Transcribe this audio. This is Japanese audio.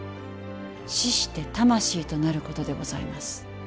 死して魂となることでございます。